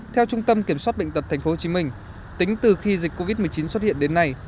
theo trung tâm kiểm soát bệnh tật tp hcm tính từ khi dịch covid một mươi chín xuất hiện đến nay